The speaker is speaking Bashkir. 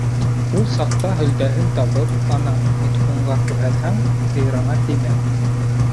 Ул саҡта һөлдәһен табып, ана, Митхунға күрһәтһәң, һыйырыңа теймәм.